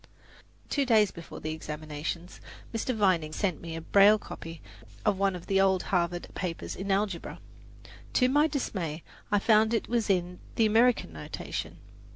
Two days before the examinations, Mr. Vining sent me a braille copy of one of the old Harvard papers in algebra. To my dismay I found that it was in the American notation.